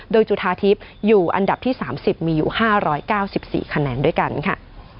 โดยจุธาทิพย์อยู่อันดับที่๓๐มีอยู่๕๙๔คะแนนด้วยกันค่ะ